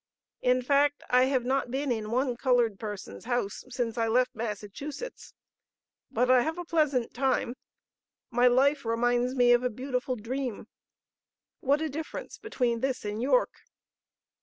In fact I have not been in one colored person's house since I left Massachusetts; but I have a pleasant time. My life reminds me of a beautiful dream. What a difference between this and York!...